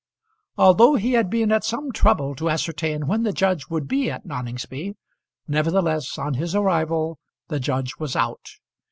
Although he had been at some trouble to ascertain when the judge would be at Noningsby, nevertheless, on his arrival, the judge was out.